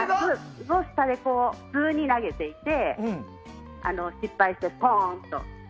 普通に投げていて失敗して、ポーンと。